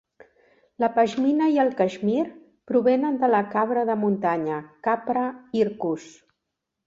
La pashmina i el cashmere provenen de la cabra de muntanya "capra hircus".